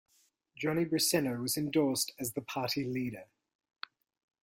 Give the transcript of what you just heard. Johnny Briceno was endorsed as the Party Leader.